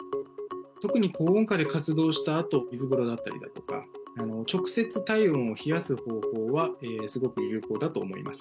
特に高温下で活動したあと水風呂だったりとか直接体温を冷やす方法はすごく有効だと思います。